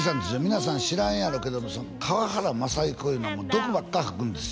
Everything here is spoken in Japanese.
皆さん知らんやろけども河原雅彦いうのは毒ばっか吐くんです